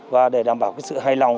và để đảm bảo sự hài lòng